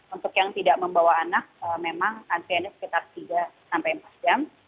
untuk yang tidak membawa anak memang antriannya sekitar tiga sampai empat jam